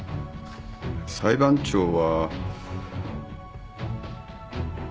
裁判長は。